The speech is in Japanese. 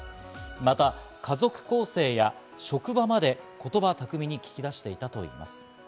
また家族構成や職場まで言葉巧みに聞き出していたといいます。